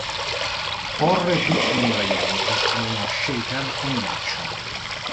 Porre tutti gli ingredienti in uno shaker con ghiaccio.